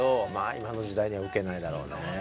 今の時代には受けないだろうねえ。